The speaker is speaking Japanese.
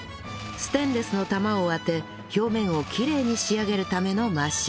ステンレスの玉を当て表面をきれいに仕上げるためのマシン